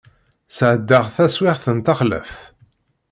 Sεeddaɣ taswiεt d taxlaft.